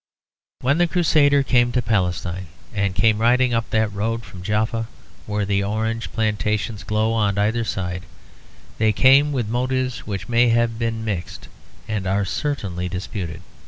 When the Crusaders came to Palestine, and came riding up that road from Jaffa where the orange plantations glow on either side, they came with motives which may have been mixed and are certainly disputed.